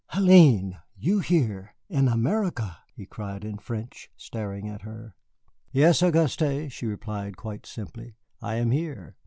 "Hélène! You here in America!" he cried in French, staring at her. "Yes, Auguste," she replied quite simply, "I am here."